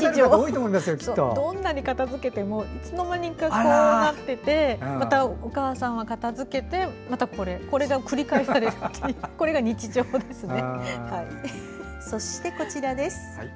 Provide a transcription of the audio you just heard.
どんなに片づけてもいつの間にか、こうなっててまたお母さんが片づけてまたこれが繰り返されるっていうこれが日常ですね。